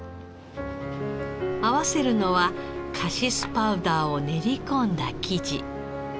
合わせるのはカシスパウダーを練り込んだ生地。